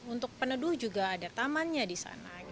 untuk peneduh juga ada tamannya di sana